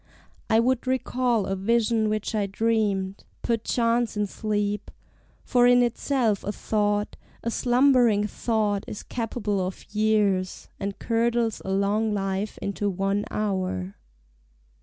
I would recall a vision which I dreamed Perchance in sleep, for in itself a thought, A slumbering thought, is capable of years, And curdles a long life into one hour.